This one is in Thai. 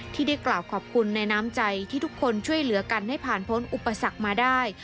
ที่ได้กล่าวขอบคุณในน้ำใจที่ทุกคนช่วยเหลือกันให้ผ่านพ้นอุปสรรคมาได้